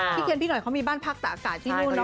เทียนพี่หน่อยเขามีบ้านพักตะอากาศที่นู่นเน